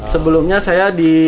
sebelumnya saya di